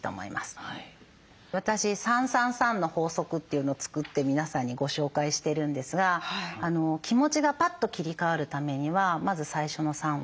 私「３３３の法則」というのを作って皆さんにご紹介してるんですが気持ちがパッと切り替わるためにはまず最初の３は「香り」です。